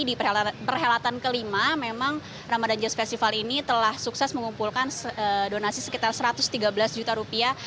di perhelatan kelima memang ramadan jazz festival ini telah sukses mengumpulkan donasi sekitar satu ratus tiga belas juta rupiah